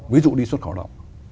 ví dụ đi xuất khẩu lao động